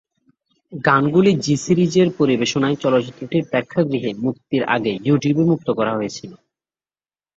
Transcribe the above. গানগুলি জি-সিরিজের পরিবেশনায় চলচ্চিত্রটির প্রেক্ষাগৃহে মুক্তির আগে ইউটিউবে মুক্ত করা হয়েছিল।